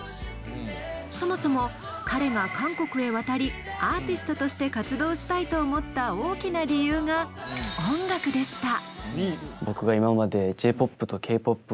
そもそも彼が韓国へ渡りアーティストとして活動したいと思った大きな理由が音楽でした。